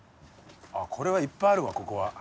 これはいっぱいあるわここは。